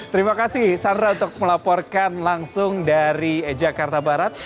terima kasih sandra untuk melaporkan langsung dari jakarta barat